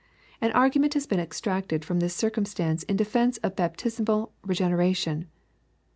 An argument has been extracted from this circumstance in defence of baptismal regeneration.